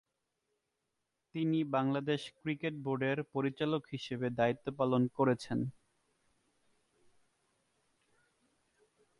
তিনি বাংলাদেশ ক্রিকেট বোর্ডের পরিচালক হিসেবে দায়িত্ব পালন করেছেন।